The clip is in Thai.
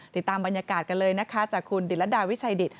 ติดตามบรรยากาศกันเลยนะคะจากคุณดิตรดาวิชัยดิต